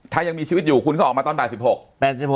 ถ้ายังมีชีวิตอยู่คุณก็ออกมาตอนบ่าย๑๖๘๖